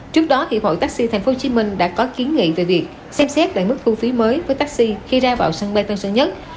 trước đó hiệp hội taxi tp hcm đã có kiến nghị về việc xem xét lại mức thu phí mới với taxi khi ra vào sân bay tân sơn nhất